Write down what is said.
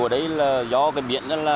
ở đây là do biển